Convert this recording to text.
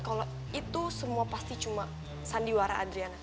kalau itu semua pasti cuma sandiwara adriana